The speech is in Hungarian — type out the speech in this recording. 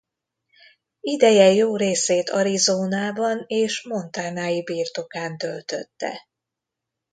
Ideje jó részét Arizonában és montanai birtokán töltötte.